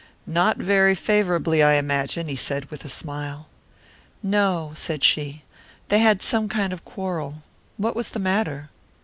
"Not very favourably, I imagine," said he, with a smile. "No," said she, "they had some kind of a quarrel. What was the matter?"